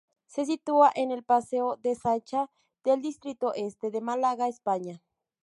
Se sitúa en el Paseo de Sancha del distrito Este de Málaga, España.